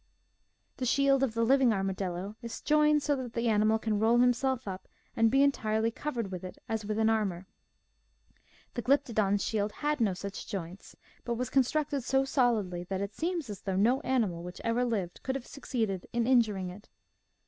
The shield of the living armadillo is jointed so that the animal can roll "himself up and be entirely covered with it as with an armor. The Glypto don's shield had no such joints, but was constructed so solidly that it seems as though no animal which ever lived could have succeeded in injuring it.